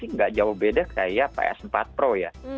nggak jauh beda kayak ps empat pro ya